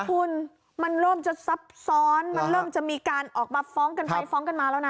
คุณมันเริ่มจะซับซ้อนมันเริ่มจะมีการออกมาฟ้องกันไปฟ้องกันมาแล้วนะ